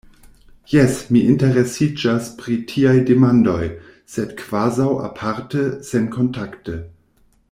Jes, mi interesiĝas pri tiaj demandoj, sed kvazaŭ aparte, senkontakte.